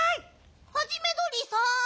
ハジメどりさん